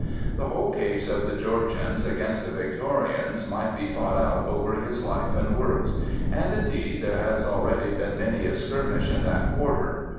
The whole case of the Georgians against the Victorians might be fought out over his life and works; and indeed there has already been many a skirmish in that quarter.